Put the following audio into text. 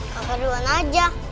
siapa duluan aja